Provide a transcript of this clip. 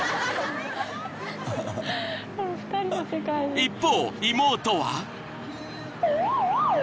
［一方妹は？］